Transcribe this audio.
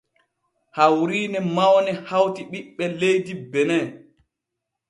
Hawriine mawne hawti ɓiɓɓe leydi benin.